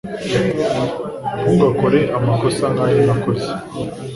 Ntugakore amakosa nkayo nakoze